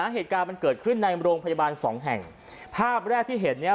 เหตุการณ์มันเกิดขึ้นในโรงพยาบาลสองแห่งภาพแรกที่เห็นเนี่ย